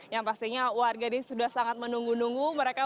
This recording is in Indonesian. yang pastinya warganya sudah sangat menunggu nunggu mereka